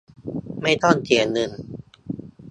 ไม่ต้องเสียเงิน